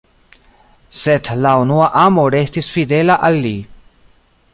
Sed la unua amo restis fidela al li.